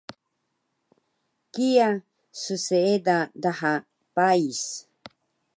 kiya sseeda daha pais